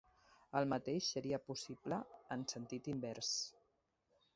El mateix seria possible en sentit invers.